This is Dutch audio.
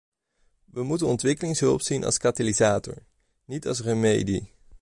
We moeten ontwikkelingshulp zien als katalysator, niet als remedie.